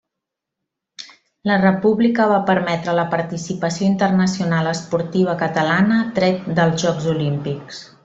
La República va permetre la participació internacional esportiva catalana, tret dels Jocs Olímpics.